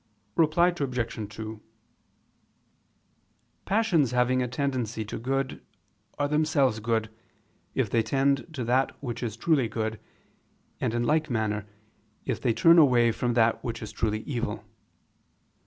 Reply Obj. 2: Passions having a tendency to good, are themselves good, if they tend to that which is truly good, and in like manner, if they turn away from that which is truly evil.